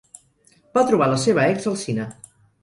Va trobar la seva ex al cine.